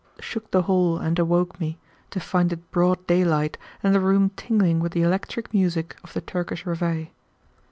shook the hall and awoke me, to find it broad daylight, and the room tingling with the electric music of the "Turkish Reveille."